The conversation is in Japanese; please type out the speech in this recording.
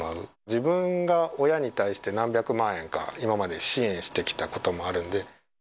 自分が親に対して、何百万円か、今まで支援してきたこともあるん